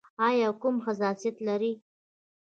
ایا کوم حساسیت لرئ؟